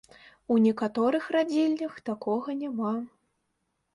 У некаторых радзільнях такога няма.